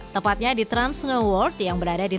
tepatnya di trans snow world yang berada di